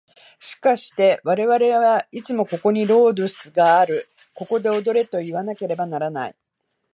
しかして我々はいつもここにロードゥスがある、ここで踊れといわなければならない。